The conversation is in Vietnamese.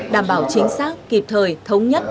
đảm bảo chính xác kịp thời thống nhất